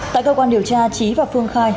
tại cơ quan điều tra trí và phương khai